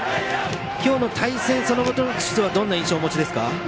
今日の対戦そのものにはどんな印象をお持ちですか。